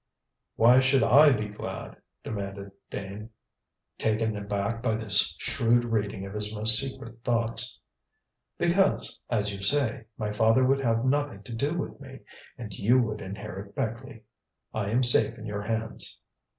"Why should I be glad?" demanded Dane, taken aback by this shrewd reading of his most secret thoughts. "Because, as you say, my father would have nothing to do with me, and you would inherit Beckleigh. I am safe in your hands."